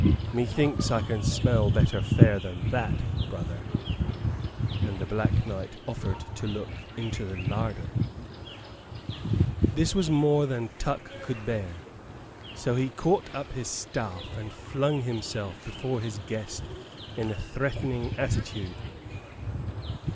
"Methinks I can smell better fare than that, brother;" and the Black Knight offered to look into the larder. This was more than Tuck could bear, so he caught up his staff and flung himself before his guest in a threatening attitude.